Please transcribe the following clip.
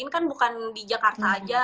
ini kan bukan di jakarta aja